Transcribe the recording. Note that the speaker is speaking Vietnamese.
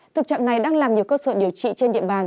tực trạng này đang làm nhiều cơ sở điều trị trên điện bàn